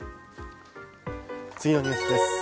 次のニュースです。